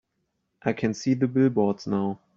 I can see the billboards now.